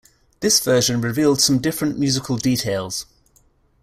This version revealed some different musical details.